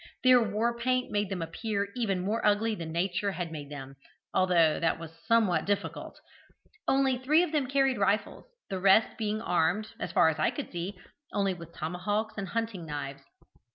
Their war paint made them appear even more ugly than nature had made them, although that was somewhat difficult. Only three of them carried rifles, the rest being armed, as far as I could see, only with tomahawks and hunting knives.